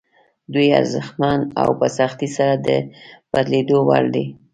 دوی ارزښتمن او په سختۍ سره د بدلېدو وړ دي.